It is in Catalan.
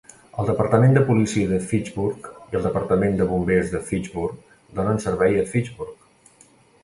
El Departament de Policia de Fitchburg i el Departament de Bombers de Fitchburg donen servei a Fitchburg.